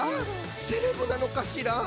セレブなのかしら？